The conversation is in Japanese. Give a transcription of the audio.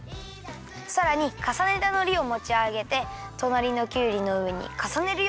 さらにかさねたのりをもちあげてとなりのきゅうりのうえにかさねるよ。